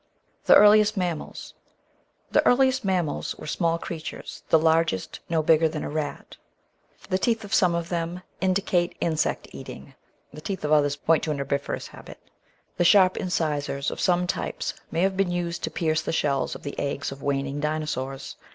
The Earliest Mammals The earliest mammals were small creatures, the largest no bigger than a rat. The teeth of some of them indicate insect 451 452 The Outline of Science eating, the teeth of others point to a herbivorous habit. The sharp incisors of some types may have been used to pierce the shells of the eggs of waning Dinosaurs.